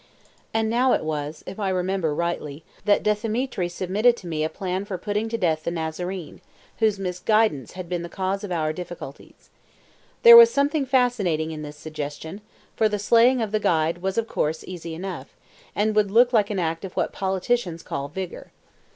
And now it was, if I remember rightly, that Dthemetri submitted to me a plan for putting to death the Nazarene, whose misguidance had been the cause of our difficulties. There was something fascinating in this suggestion, for the slaying of the guide was of course easy enough, and would look like an act of what politicians call "vigour."